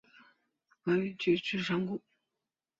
抱嶷居住在直谷。